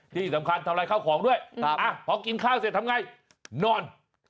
ที่สำคัญทำลายข้าวของด้วยพอกินข้าวเสร็จทำไงนอน